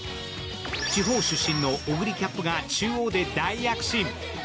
地方出身のオグリキャップが中央で大躍進。